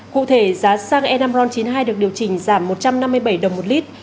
cụ thể giá xăng e năm ron chín mươi hai được điều chỉnh giảm một trăm năm mươi bảy đồng một lít